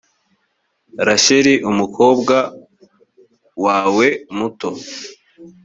rasheli umukobwa wawe muto